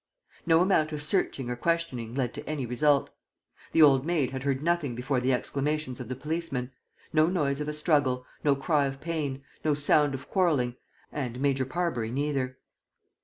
No amount of searching or questioning led to any result. The old maid had heard nothing before the exclamations of the policeman: no noise of a struggle, no cry of pain, no sound of quarreling; and Major Parbury neither.